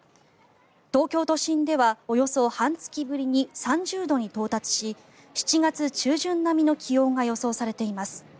東京都心ではおよそ半月ぶりに３０度に到達し７月中旬並みの気温が予想されています。